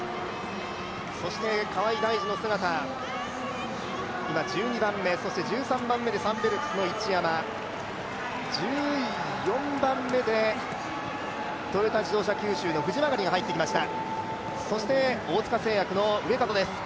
そして河合代二の姿、今１２番目そして１３番目でサンベルクスの市山、１４番目でトヨタ自動車九州の藤曲が入ってきました。